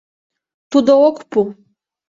Тудо ок пу.